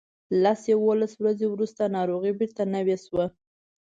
لس یوولس ورځې وروسته ناروغي بیرته نوې شوه.